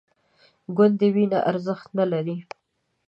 ګوندې وینه ارزښت نه لري